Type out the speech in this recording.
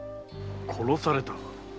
殺された？